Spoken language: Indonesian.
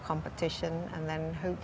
dan semoga suatu hari nanti